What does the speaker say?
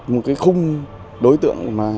một cái khung đối tượng